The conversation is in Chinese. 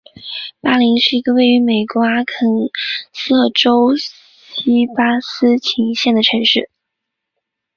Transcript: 巴林是一个位于美国阿肯色州锡巴斯琴县的城市。